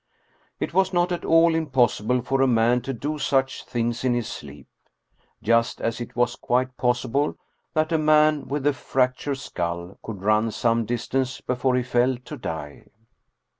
It was not at all impossible for a man to do such things in his sleep. Just as it was quite possible that a man with a fractured skull could run some distance before he fell to die.